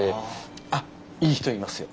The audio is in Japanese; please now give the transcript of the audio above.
あっいい人いますよ。